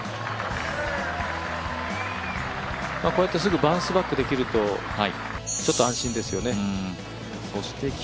こうやってすぐバウンスバックできると安心ですよね。